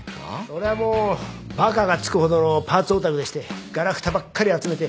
そりゃもうバカが付くほどのパーツオタクでしてガラクタばっかり集めて。